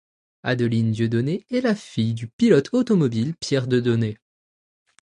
Adeline Dieudonné est la fille du pilote automobile Pierre Dieudonné.